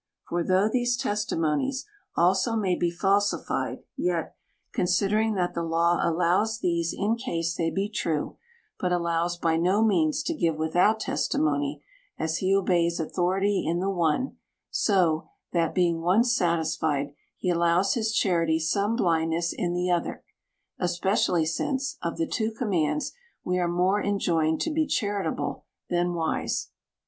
For though these testimonies also may THE COUNTRY PARSON. 33 be falsified, yet — considering that the law allows these in case they be true, but allows by no means to give without testimony — as he obeys authority in the one, so, that being once satisfied, he allows his charity some bhndness in the other; especially since, of the two commands, we are more enjoined to be charita ble than wise.